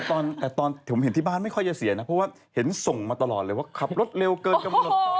ตอนผมเห็นที่บ้านไม่ค่อยจะเสียนะเพราะว่าเห็นส่งมาตลอดเลยว่าขับรถเร็วเกินกำหนด